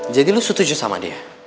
jadi lu setuju sama dia